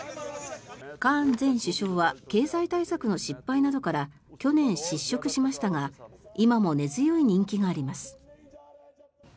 カーン前首相は経済対策の失敗などから去年、失職しましたが今も根強い人気があります。